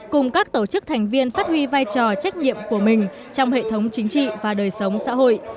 cùng các tổ chức thành viên phát huy vai trò trách nhiệm của mình trong hệ thống chính trị và đời sống xã hội